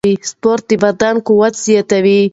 سپورت د بدن قوت زیاتوي.